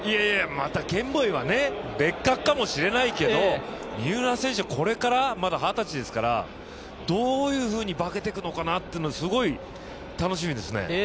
ケンボイは別格かもしれないけど三浦選手はこれからまだ二十歳ですからどういうふうに化けてくのか、すごい楽しみですね。